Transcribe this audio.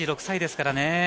３６歳ですからね。